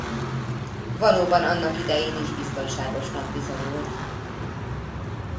Valóban annak idején is biztonságosnak bizonyult.